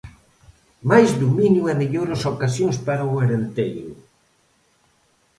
Máis dominio e mellores ocasións para o Arenteiro.